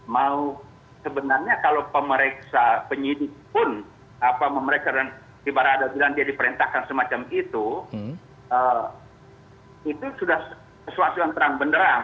mau sebenarnya kalau pemeriksa penyidik pun pemeriksa dan ibaratnya dia diperintahkan semacam itu itu sudah sesuatu yang terang benerang